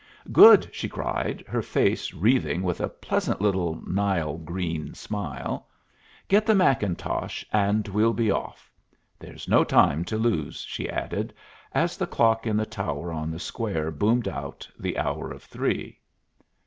"Good!" she cried, her face wreathing with a pleasant little nile green smile. "Get the mackintosh, and we'll be off. There's no time to lose," she added, as the clock in the tower on the square boomed out the hour of three.